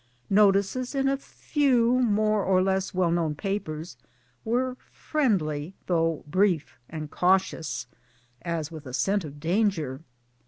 Notices in a few more or less well known papers were friendly though brief and cautious, as with a scent of danger.